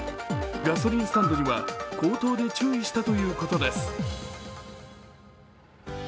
ガソリンスタンドには口頭で注意したということです。